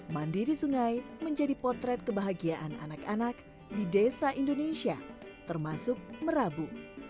mandiri di sungai menjadi potret kebahagiaan anak anak di desa indonesia termasuk merabu